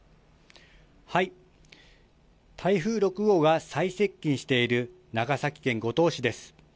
台風６号が最接近している長崎県五島市です。